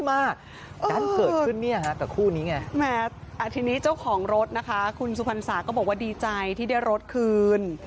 อ้าทีนี้เจ้าของรถคุณสุพรรณศาษณ์ก็บอกว่าดีใจที่ได้รถคืน